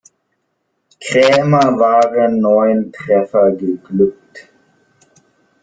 Krämer waren neun Treffer geglückt.